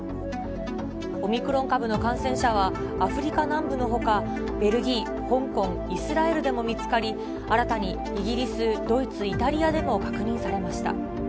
オミクロン株の感染者は、アフリカ南部のほかベルギー、香港、イスラエルでも見つかり、新たにイギリス、ドイツ、イタリアでも確認されました。